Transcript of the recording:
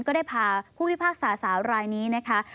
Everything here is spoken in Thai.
ก็ได้พาผู้พิพากษาสาวรายนี้นะคะ